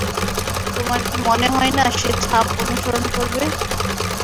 তোমার কি মনে হয় না সে ছাপ অনুসরণ করবে?